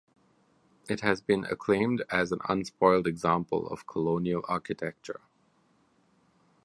It has been acclaimed as an unspoiled example of colonial architecture.